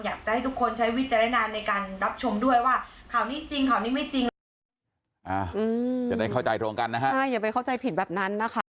อยากจะให้ทุกคนใช้วิจารณาในการรับชมด้วยว่าข่าวนี้จริงข่าวนี้ไม่จริง